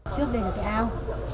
trước đây là cái ao